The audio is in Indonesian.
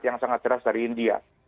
yang sangat keras dari india